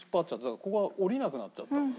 だからここが下りなくなっちゃった。